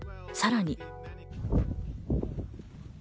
さらに。